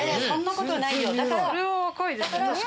そんなことないよだから。